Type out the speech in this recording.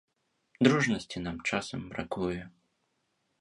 Дружнасці нам часам бракуе.